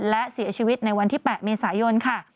และเสียชีวิตในวันที่๘เมษายนค่ะ